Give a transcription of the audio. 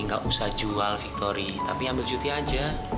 gak usah jual victoria tapi ambil cuti aja